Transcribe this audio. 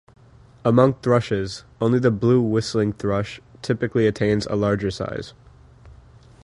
Among thrushes, only the blue whistling thrush typically attains a larger size.